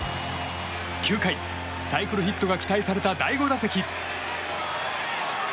９回、サイクルヒットが期待された第５打席。